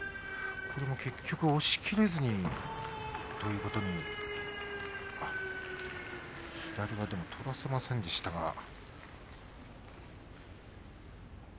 これも結局押しきれずにということに左はでも取らせませんでしたが。